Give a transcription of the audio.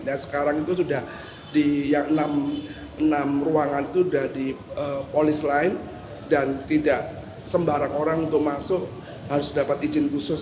nah sekarang itu sudah di yang enam ruangan itu sudah di polis lain dan tidak sembarang orang untuk masuk harus dapat izin khusus